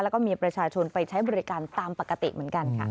แล้วก็มีประชาชนไปใช้บริการตามปกติเหมือนกันค่ะ